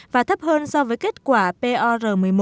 và thấp hơn so với kết quả pr một mươi một